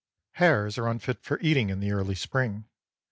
Hares are unfit for eating in the early spring.